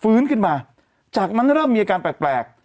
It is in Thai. ฟื้นขึ้นมาจากนั้นเริ่มมีอาการแปลก